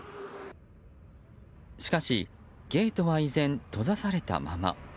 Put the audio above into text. しかし、ゲートは依然閉ざされたまま。